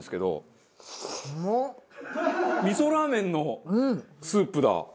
味噌ラーメンのスープだ！